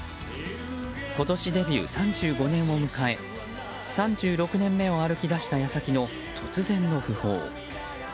今年デビュー３５年を迎え３６年目を歩き出した矢先の突然の訃報。